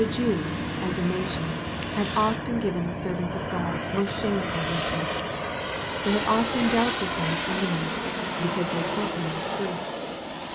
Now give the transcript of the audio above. • Jews, as a nation, had often given the servants of €k>d most shameful usage. They had often dealt with them as enemies, because they told them the truth.